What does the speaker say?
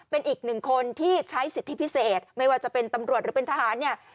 เป็นอีกหนึ่งคนที่ใช้สิทธิพิเศษไม่ว่าจะเป็นตำรวจหรือเป็นทหารเนี่ย